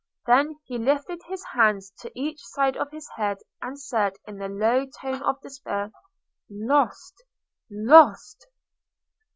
Then he lifted his hands to each side of his head, and said, in a low tone of despair, "Lost, lost!"